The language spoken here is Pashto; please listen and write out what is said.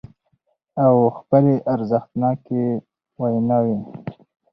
او خپلې ارزښتناکې ويناوې